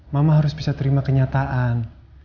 mama harus bisa terima kenyataan